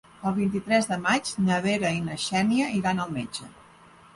El vint-i-tres de maig na Vera i na Xènia iran al metge.